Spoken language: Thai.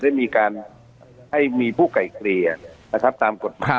ได้มีการให้มีผู้ไก่เกลี่ยนะครับตามกฎหมาย